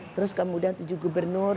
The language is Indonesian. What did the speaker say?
terus kemudian tujuh gubernur